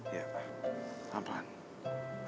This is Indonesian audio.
iya pak pelan pelan